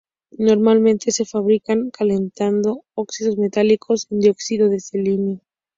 Normalmente se fabrican calentando óxidos metálicos con dióxido de selenio.